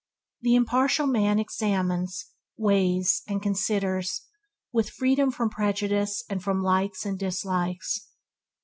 The impartial man examines, weighs, and considers, with freedom from prejudice and from likes and dislikes.